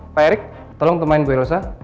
pak erik tolong temanin bu elsa